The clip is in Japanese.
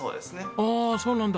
ああそうなんだ。